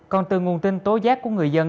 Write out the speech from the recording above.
còn từ nguồn tin tối giác của người dân